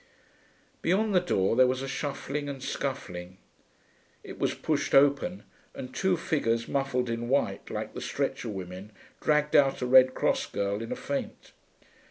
Beyond the door there was a shuffling and scuffling; it was pushed open, and two figures muffled in white, like the stretcher women, dragged out a Red Cross girl in a faint.